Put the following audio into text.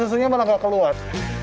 dan susunya malah nggak keluar